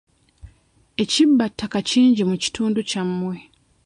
Ekibbattaka kingi mu kitundu kyammwe.